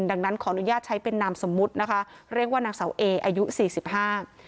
ดังนั้นขออนุญาตใช้เป็นนามสมมุตินะคะเรียกว่านางเสาเออายุสี่สิบห้า